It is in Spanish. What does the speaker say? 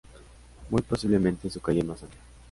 Muy posiblemente, su calle más amplia.